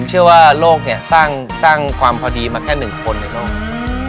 เชื่อว่าโลกเนี่ยสร้างความพอดีมาแค่๑คนในโลก